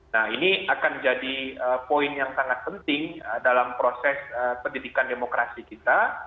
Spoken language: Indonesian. nah ini akan jadi poin yang sangat penting dalam proses pendidikan demokrasi kita